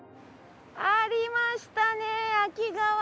ありましたね秋川。